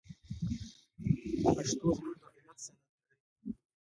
پښتو زموږ د هویت سند دی.